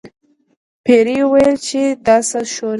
پیري وویل چې دا څه شور دی.